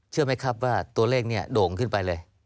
เชื่อไหมครับว่าตัวเลขนี้โด่งขึ้นไปเลย